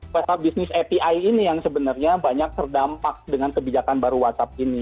whatsapp bisnis api ini yang sebenarnya banyak terdampak dengan kebijakan baru whatsapp ini